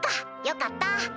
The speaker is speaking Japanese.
よかった。